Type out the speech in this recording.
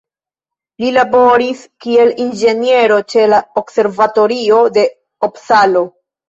Li laboris kiel inĝeniero ĉe la Observatorio de Upsalo.